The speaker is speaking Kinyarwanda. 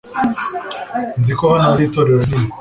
Nzi ko hano hari itorero rinini.